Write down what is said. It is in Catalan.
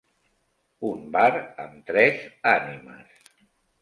Un bar amb tres ànimes.